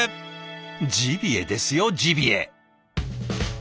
ジビエですよジビエ！